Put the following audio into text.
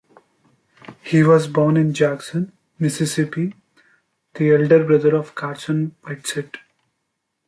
He was born in Jackson, Mississippi, the elder brother of Carson Whitsett.